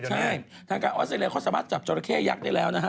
ใช่ทางการออสเตรเลียเขาสามารถจับจราเข้ยักษ์ได้แล้วนะฮะ